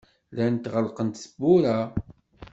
Llant ɣelqent tewwura.